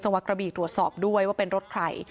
สังวัฒน์กะบีตรวจสอบด้วยว่าเป็นรถใคร